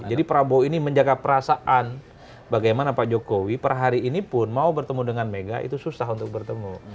jadi prabowo ini menjaga perasaan bagaimana pak jokowi per hari ini pun mau bertemu dengan mega itu susah untuk bertemu